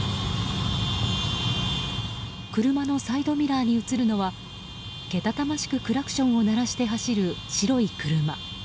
車のサイドミラーに映るのはけたたましくクラクションを鳴らして走る白い車。